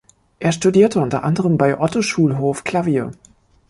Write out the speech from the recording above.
Er studierte unter anderem bei Otto Schulhof Klavier.